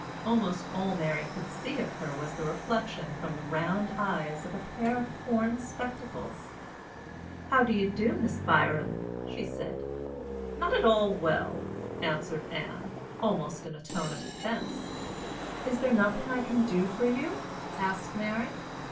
Almost all Mary could see of her was the reflection from the round eyes of a pair of horn spectacles. "How do you do, Miss Byrom?" she said. "Not at all well," answered Ann, almost in a tone of offense. "Is there nothing I can do for you?" asked Mary.